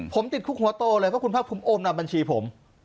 ผมติดคุกหัวโตเลยเพราะคุณภาคภูมิโอนนำบัญชีผม